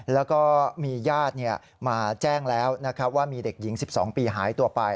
แล้วก็มีญาติมาแจ้งแล้วนะครับว่ามีเด็กหญิง๑๒ปีหายตัวไป